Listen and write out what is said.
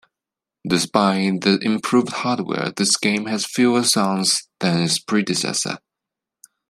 Despite the improved hardware, this game has fewer songs than its predecessor.